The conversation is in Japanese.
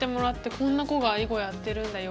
「こんな子が囲碁やってるんだよ」